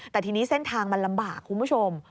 แต่ทีนี้เส้นทางมันลำบากคุณผู้ชม